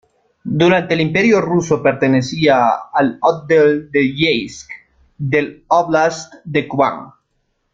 Durante el Imperio ruso pertenecía al otdel de Yeisk del óblast de Kubán.